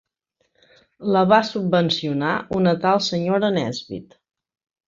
La va subvencionar una tal senyora Nesbit.